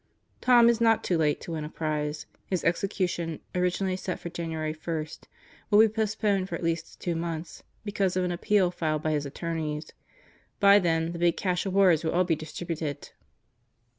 Tom is not too late to win a prize. His execution, originally set for January 1, will be postponed for at least two months because of an appeal filed by his attorneys. By then, 'the big cash awards will all be distributed.